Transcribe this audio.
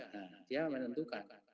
nah dia menentukan